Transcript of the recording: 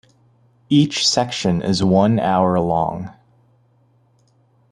Each section is one hour long.